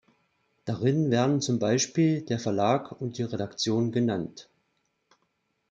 Darin werden zum Beispiel der Verlag und die Redaktion genannt.